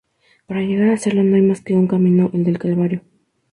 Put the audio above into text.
Para llegar a serlo no hay más que un camino: ¡el del Calvario!